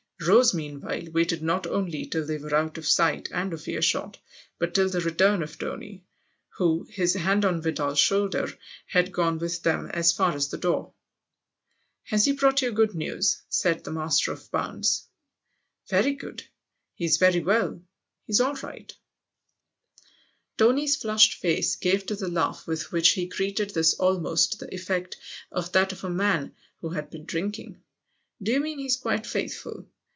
Rose meanwhile waited not only till they were out of sight and of earshot, but till the return of Tony, who, his hand on Vidal's shoulder, had gone with them as far as the door. " Has he brought you good news ?" said the master of Bounds. "Very good. He's very well ; he's all right." THE OTHER HOUSE 47 Tony's flushed face gave to the laugh with which he greeted this almost the effect of that of a man who had been drinking. " Do you mean he's quite faithful